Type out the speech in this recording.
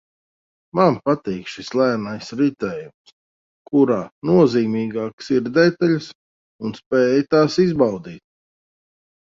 Man patīk šis lēnais ritējums, kurā nozīmīgākas ir detaļas un spēja tās izbaudīt